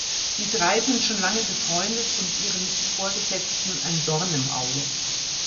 Die drei sind schon lange befreundet und ihren Vorgesetzten ein Dorn im Auge.